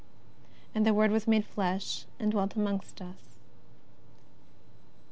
And the Word was made Flesh and dwelt amongst us.